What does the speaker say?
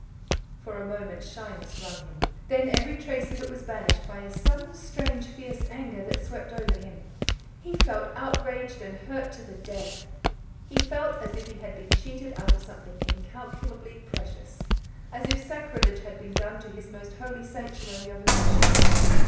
For a moment shyness wrung him. Then every trace of it was banished by a sudden, strange, fierce anger that swept over him. He felt outraged and hurt to the death; he felt as if he had been cheated out of something incalculably precious as if sacrilege had been done to his most holy sanctuary of emotion.